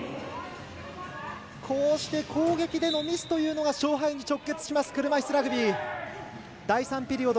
こうして攻撃でのミスというのが勝敗に直結します車いすラグビー。